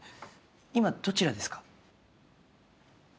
今どちらですか？